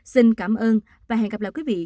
xin cảm ơn và hẹn gặp lại quý vị